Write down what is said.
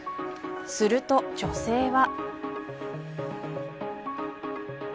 すると女性は。